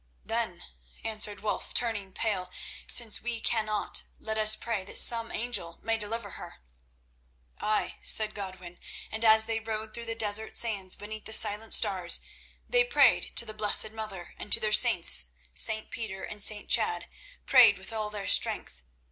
"Then," answered Wulf, turning pale, "since we cannot, let us pray that some angel may deliver her." "Ay," said Godwin, and as they rode through the desert sands beneath the silent stars, they prayed to the Blessed Mother, and to their saints, St. Peter and St. Chad—prayed with all their strength.